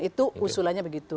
itu usulannya begitu